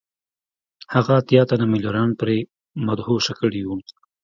هغه اتیا تنه میلیونران پرې مدهوشه کړي وو